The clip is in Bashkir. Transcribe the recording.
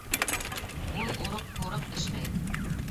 Ул урыҡ-һурыҡ эшләй